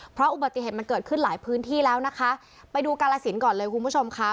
เพราะอุบัติเหตุมันเกิดขึ้นหลายพื้นที่แล้วนะคะไปดูกาลสินก่อนเลยคุณผู้ชมค่ะ